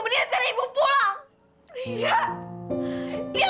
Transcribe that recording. meniak sekarang ibu pulang